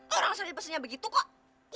kok orang selalu dipesan begitu kok